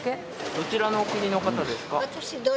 どちらのお国の方ですか？